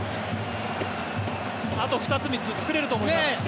あと２つ、３つ作れると思います。